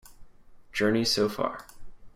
"Journey So Far".